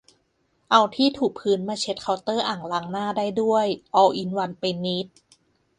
เอาที่ถูพื้นมาเช็ดเคาน์เตอร์อ่างล้างหน้าได้ด้วย ออลอินวันไปนิด